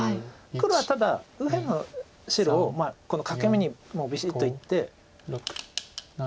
黒はただ右辺の白を欠け眼にもうビシッといって。